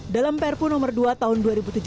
dalam perpu nomor dua tahun dua ribu tujuh belas